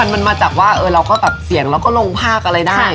มันมาจากว่าเราก็เสียงและลงพราคอะไรได้